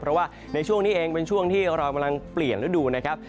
เพราะว่าในช่วงนี้เองเป็นช่วงที่เรากำลังเปลี่ยนฤดูนะครับ